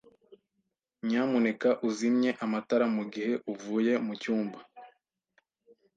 Nyamuneka uzimye amatara mugihe uvuye mucyumba.